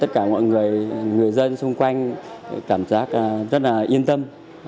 cảm giác rất là yên tâm